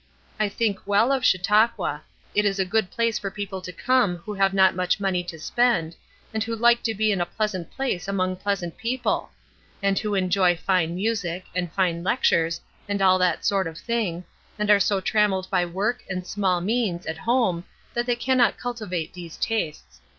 I think well of Chautauqua. It is a good place for people to come who have not much money to spend, and who like to be in a pleasant place among pleasant people; and who enjoy fine music, and fine lectures, and all that sort of thing, and are so trammelled by work and small means at home that they cannot cultivate these tastes.